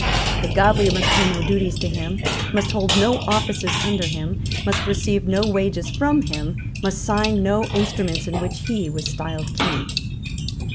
The godly must pay no duties to him, must hold no offices under him, must receive no wages from him, must sign no instruments in which he was styled King.